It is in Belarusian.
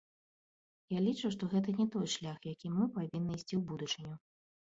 Я лічу, што гэта не той шлях, якім мы павінны ісці ў будучыню.